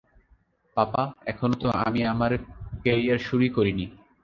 পাপা, এখনো তো আমি আমার কেরিয়ার শুরুই করিনি।